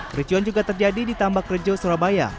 kericuan juga terjadi di tambak rejo surabaya